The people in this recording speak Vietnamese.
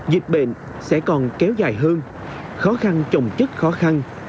dịch bệnh sẽ còn kéo dài hơn khó khăn trồng chất khó khăn